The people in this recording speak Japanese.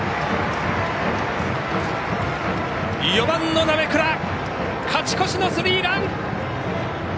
４番の鍋倉勝ち越しのスリーラン。